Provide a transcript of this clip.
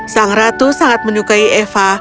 sang ratu sangat menyukai eva